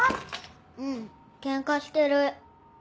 うんケンカしてる。